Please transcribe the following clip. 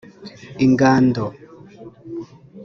ingando